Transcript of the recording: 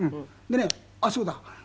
でねあっそうだ。